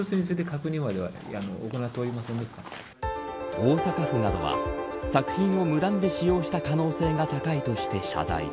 大阪府などは、作品を無断で使用した可能性が高いとして謝罪。